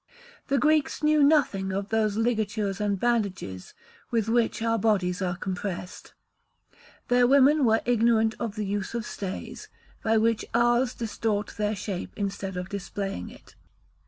The Greeks knew nothing of those ligatures and bandages with which our bodies are compressed. Their women were ignorant of the use of stays, by which ours distort their shape instead of displaying it.